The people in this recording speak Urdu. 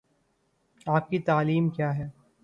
آپ کی تعلیم کیا ہے ؟